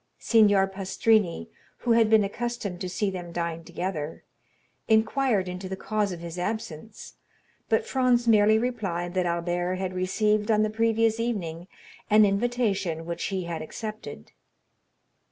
Signor Pastrini, who had been accustomed to see them dine together, inquired into the cause of his absence, but Franz merely replied that Albert had received on the previous evening an invitation which he had accepted.